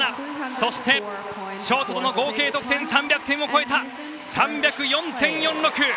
そしてショートとの合計得点は３００点を超えた３０４．４６！